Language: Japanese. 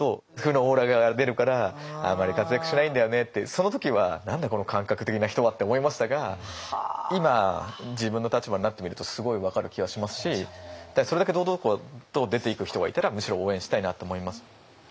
その時は「何だこの感覚的な人は」って思いましたが今自分の立場になってみるとすごい分かる気がしますしそれだけ堂々と出ていく人がいたらむしろ応援したいなと思います。